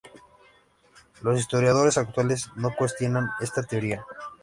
Los historiadores actuales no cuestionan esta teoría.